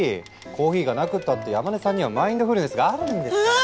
コーヒーがなくったって山根さんにはマインドフルネスがあるんですから。